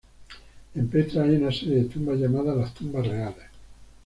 En Petra, hay una serie de tumbas llamadas las Tumbas Reales.